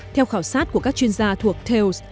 theo khảo sát của các chuyên gia thuộc tails